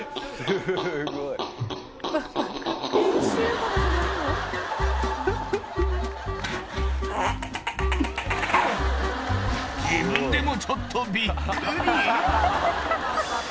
これ自分でもちょっとビックリ？